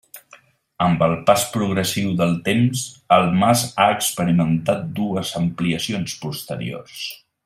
Amb el pas progressiu del temps el mas ha experimentat dues ampliacions posteriors.